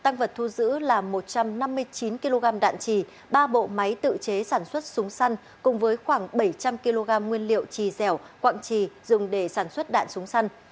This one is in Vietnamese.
nước là một trăm năm mươi chín kg đạn trì ba bộ máy tự chế sản xuất súng săn cùng với khoảng bảy trăm linh kg nguyên liệu trì dẻo quặng trì dùng để sản xuất đạn súng săn